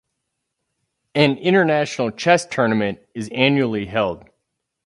An international chess tournament is annually held.